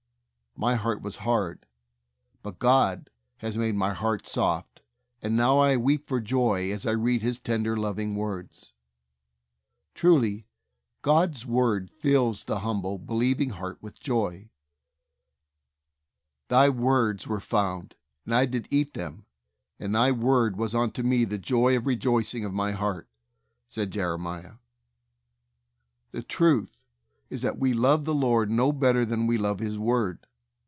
My heart was hard, but God has made BIBLE STUDY. 173 my heart soft, and now I weep for joy as I read His tender, loving words." Truly God's Word fills the humble, believ ing heart with joy. 'Thy words were found, and I did eat them ; and Thy word was unto me the joy and rejoicing of my heart," said Jeremiah. The truth is, that we love the Lord no better than we love His Word.